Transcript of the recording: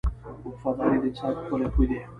• وفاداري د انسان ښکلی خوی دی.